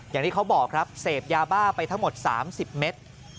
อย่างที่เขาบอกครับเสพยาบ้าไปทั้งหมด๓๐เมตร